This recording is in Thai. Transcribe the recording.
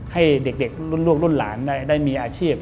ให้เด็กรุ่นร่านได้มีอาชีพ